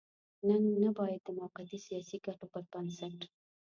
نن نه بايد د موقتي سياسي ګټو پر بنسټ.